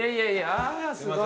あすごい。